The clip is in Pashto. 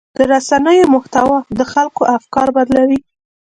د رسنیو محتوا د خلکو افکار بدلوي.